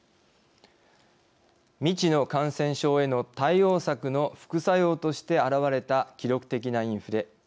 未知の感染症への対応策の副作用として現れた記録的なインフレ。